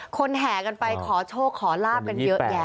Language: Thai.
แห่กันไปขอโชคขอลาบกันเยอะแยะ